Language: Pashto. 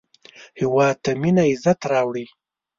هېواد ته مینه عزت راوړي